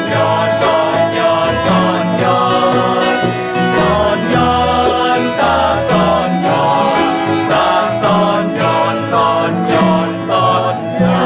ตอนย้อนตอนย้อนตอนย้อนตอนย้อนตาตอนย้อนตาตอนย้อนตอนย้อนตอนย้อน